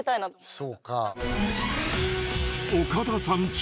そうか。